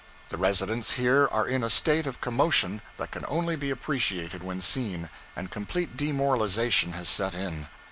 The residents here are in a state of commotion that can only be appreciated when seen, and complete demoralization has set in.